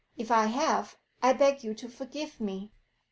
If I have, I beg you to forgive me.'